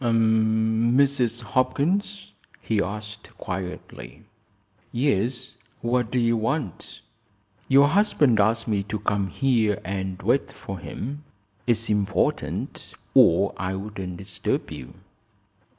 "Mrs. Hopkins?" he asked, quietly. "Yes. What do you want?" "Your husband asked me to come here and wait for him. It's important or I wouldn't disturb you."